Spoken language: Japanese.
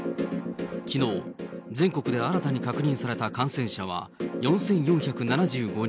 きのう、全国で新たに確認された感染者は４４７５人。